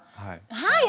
はい。